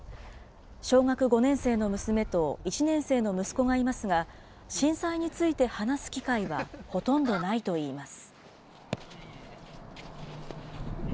小学５年生の娘と１年生の息子がいますが、震災について話す機会はほとんどないといいます。